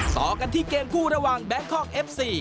ต่อกันที่เกมคู่ระหว่างแบงคอกเอฟซี